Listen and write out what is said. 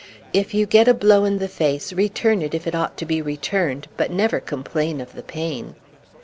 If you get a blow in the face, return it if it ought to be returned, but never complain of the pain.